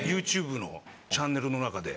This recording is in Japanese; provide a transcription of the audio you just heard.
ＹｏｕＴｕｂｅのチャンネルの中で。